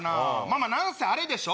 まぁ何せあれでしょ？